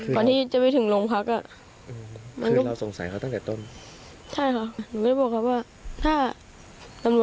ก่อนที่จะไปถึงโรงพักอ่ะคือเราสงสัยเขาตั้งแต่ต้นใช่ค่ะ